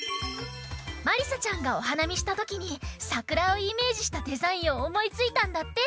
まりさちゃんがおはなみしたときにさくらをイメージしたデザインをおもいついたんだって。